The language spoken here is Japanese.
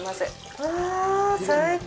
うわっ、最高！